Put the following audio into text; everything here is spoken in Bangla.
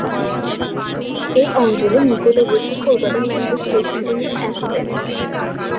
এই অঞ্চলের নিকটবর্তী কলকাতা মেট্রো স্টেশনটি হল এসপ্ল্যানেড।